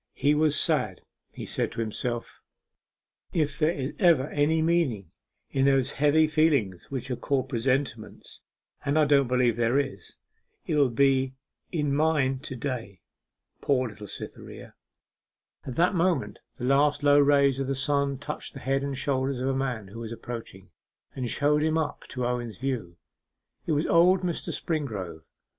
He was sad; he said to himself 'If there is ever any meaning in those heavy feelings which are called presentiments and I don't believe there is there will be in mine to day.... Poor little Cytherea!' At that moment the last low rays of the sun touched the head and shoulders of a man who was approaching, and showed him up to Owen's view. It was old Mr. Springrove.